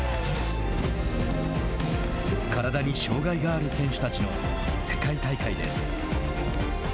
体に障害がある選手たちの世界大会です。